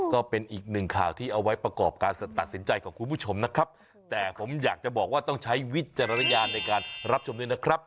ก็เป็นอีกหนึ่งข่าวที่เอาไว้ประกอบการตัดสินใจของคุณผู้ชมนะครับแต่ผมอยากจะบอกว่าต้องใช้วิจารณญาณในการรับชมด้วยนะครับ